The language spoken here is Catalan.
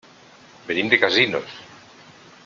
Venim de Casinos.